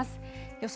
予想